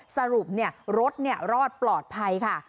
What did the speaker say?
สรุปเนี่ยรถเนี่ยรอดปลอดภัยค่ะ